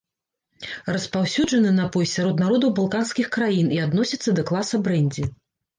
Распаўсюджаны напой сярод народаў балканскіх краін і адносіцца да класа брэндзі.